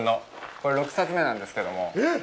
これ、６冊目なんですけども。